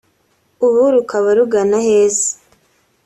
ubu rukaba rugana aheza